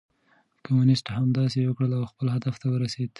کمونيسټ همداسې وکړل او خپل هدف ته ورسېد.